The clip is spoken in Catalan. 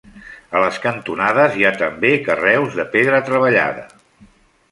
A les cantonades hi ha també carreus de pedra treballada.